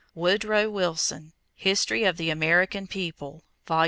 Woodrow Wilson, History of the American People, Vol.